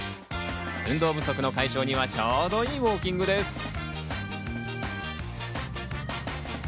運動不足の解消にはちょうどいいウオーキングです。